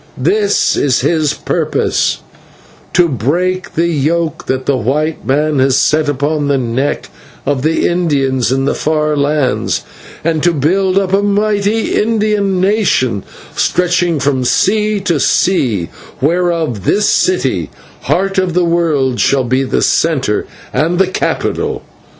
"This is his purpose to break the yoke that the white man has set upon the neck of the Indians in the far lands, and to build up a mighty Indian nation stretching from sea to sea, whereof this city, Heart of the World, shall be the centre and the capital.